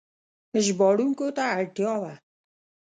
ژباړونکو ته اړتیا وه.